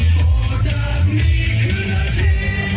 กลับไปรับไป